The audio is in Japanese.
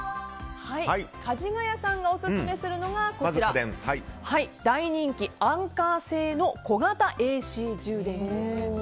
かじがやさんがオススメするのが大人気、Ａｎｋｅｒ製の小型ＡＣ充電器です。